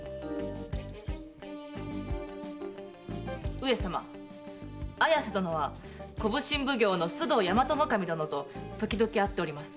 上様綾瀬殿は小普請奉行・須藤大和守殿と時々会っております。